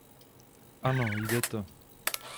Ano, jde to!